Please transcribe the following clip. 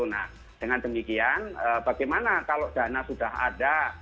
nah dengan demikian bagaimana kalau dana sudah ada